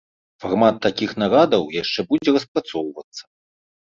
Фармат такіх нарадаў яшчэ будзе распрацоўвацца.